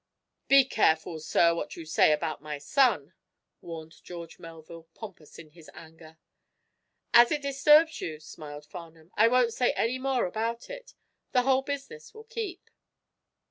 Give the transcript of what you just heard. "Be careful, sir, what you say about my son!" warned George Melville, pompous in his anger. "As it disturbs you," smiled Farnum, "I won't say any more about it. The whole business will keep."